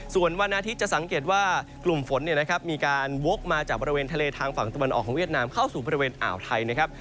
ส่วนวันอาทิตย์จะสังเกตว่ากลุ่มฝนมีการวกมาจากบริเวณทะเลทางฝั่งตะวันออกของเวียดนามเข้าสู่บริเวณอ่าวไทยนะครับ